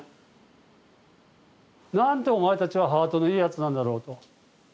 なんてお前たちはハートのいいやつなんだろうと。